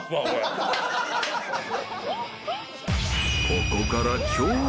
［ここから］